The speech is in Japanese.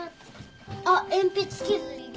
あっ鉛筆削りだ。